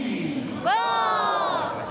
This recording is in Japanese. ゴー！